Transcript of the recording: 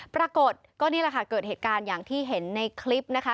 ปรากฏก็นี่แหละค่ะเกิดเหตุการณ์อย่างที่เห็นในคลิปนะคะ